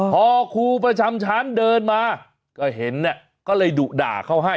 พอครูประจำชั้นเดินมาก็เห็นเนี่ยก็เลยดุด่าเขาให้